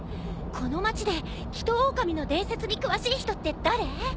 この町でヒトオオカミの伝説に詳しい人って誰？